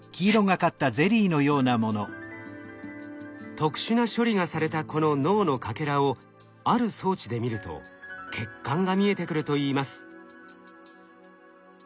特殊な処理がされたこの脳のかけらをある装置で見ると血管が見えてくるといいます。